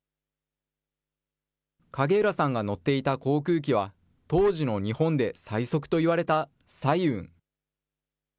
景浦さんが乗っていた航空機は、当時の日本で最速といわれた彩雲。